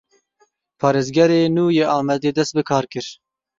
Parêzgarê nû yê Amedê dest bi kar kir.